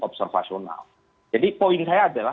observasional jadi poin saya adalah